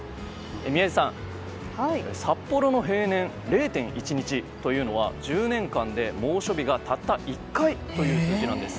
宮司さん、札幌の平年０．１日というのは１０年間で猛暑日がたった１回という数字なんです。